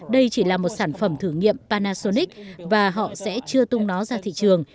đây chỉ là một sản phẩm thử nghiệm panasonic và họ sẽ chưa tung nó ra thị trường